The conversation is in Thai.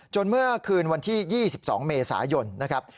เมื่อคืนวันที่๒๒เมษายนนะครับ